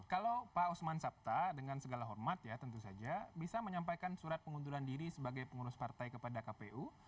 kalau pak usman sabta dengan segala hormat ya tentu saja bisa menyampaikan surat pengunduran diri sebagai pengurus partai kepada kpu